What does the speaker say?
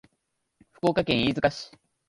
福岡県飯塚市